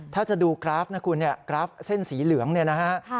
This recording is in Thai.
ถ้าจะดูกราฟนะคุณเนี่ยกราฟเส้นสีเหลืองเนี่ยนะฮะ